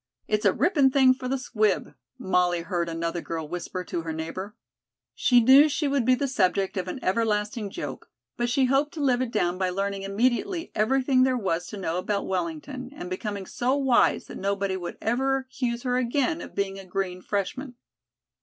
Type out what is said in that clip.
"It's a ripping thing for the 'Squib,'" Molly heard another girl whisper to her neighbor. She knew she would be the subject of an everlasting joke, but she hoped to live it down by learning immediately everything there was to know about Wellington, and becoming so wise that nobody would ever accuse her again of being a green freshman.